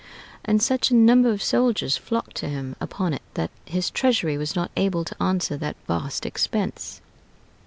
And such a number of soldiers flocked to him upon it that his treasury was not able to answer that vast expense.